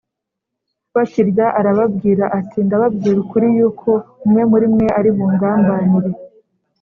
Bakirya arababwira ati “Ndababwira ukuri, yuko umwe muri mwe ari bungambanire.”